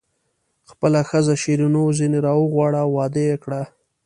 خپله ښځه شیرینو ځنې راوغواړه او واده یې کړه.